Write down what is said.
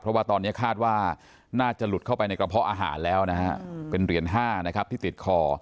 เพราะว่าตอนนี้คาดว่าน่าจะหลุดเข้าไปในกระเพาะอาหารแล้วนะฮะเป็นเหรียญ๕นะครับที่ติดคอ